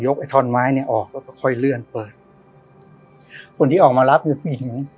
ยกไอ้ถอนไม้เนี้ยออกแล้วก็ค่อยเลื่อนเปิดคุณที่ออกมารับอยู่ปีถึง